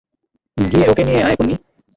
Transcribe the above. গিয়ে ওকে নিয়ে আয় পোন্নি।